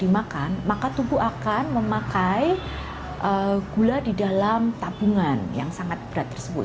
maka tubuh akan memakai gula di dalam tabungan yang sangat berat tersebut